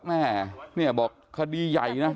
แม่เนี่ยบอกคดีใหญ่นะ